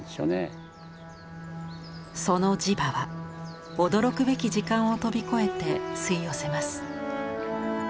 その磁場は驚くべき時間を飛び越えて吸い寄せます。